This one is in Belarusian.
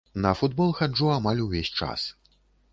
На футбол хаджу амаль увесь час.